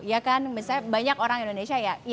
ya kan misalnya banyak orang indonesia ya